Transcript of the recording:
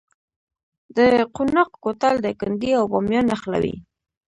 د قوناق کوتل دایکنډي او بامیان نښلوي